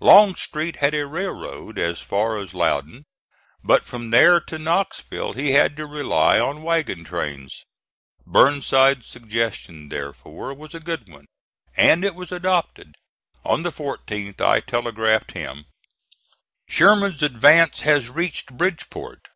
Longstreet had a railroad as far as Loudon; but from there to Knoxville he had to rely on wagon trains. Burnside's suggestion, therefore, was a good one, and it was adopted. On the 14th I telegraphed him: "Sherman's advance has reached Bridgeport.